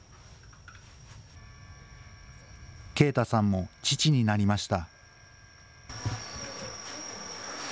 圭太さんも父になりました。